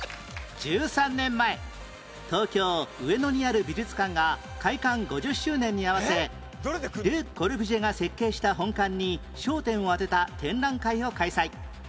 １３年前東京上野にある美術館が開館５０周年に合わせル・コルビュジエが設計した本館に焦点を当てた展覧会を開催